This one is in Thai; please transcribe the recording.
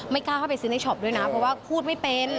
กล้าเข้าไปซื้อในช็อปด้วยนะเพราะว่าพูดไม่เป็น